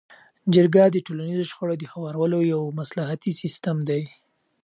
جرګه د ټولنیزو شخړو د هوارولو یو مصلحتي سیستم دی.